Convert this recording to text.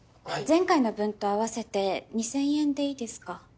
前回の分と合わせて２０００円でいいですか？